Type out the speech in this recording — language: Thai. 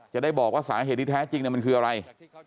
จะได้บอกว่าสาเหตุที่แท้จริงมันคืออะไร